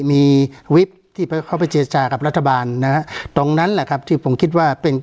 มีวิบที่เขาไปเจจากับรัฐบาลนะฮะตรงนั้นแหละครับที่ผมคิดว่าเป็น